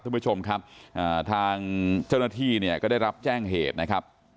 ทุกผู้ชมครับทางเจ้าหน้าที่เนี่ยก็ได้รับแจ้งเหตุนะครับ